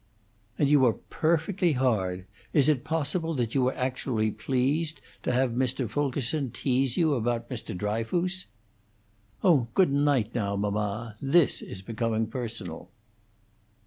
"And you are perfectly hard. Is it possible that you were actually pleased to have Mr. Fulkerson tease you about Mr. Dryfoos?" "Oh, good night, now, mamma! This is becoming personal."